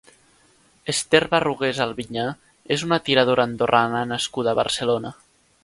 Esther Barrugués Alviñá és una tiradora andorrana nascuda a Barcelona.